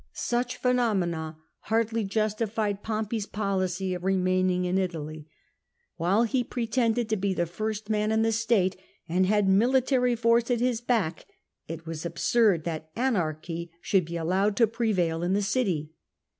Such phenomena hardly justified Pompey's policy of remaining in Italy. While he pretended to be the first man in the state, and had military force at his back, it was absurd that anarchy should be allowed to prevail in the city.